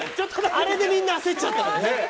あれでみんな、焦っちゃったんだね。